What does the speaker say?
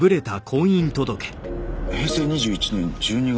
平成２１年１２月。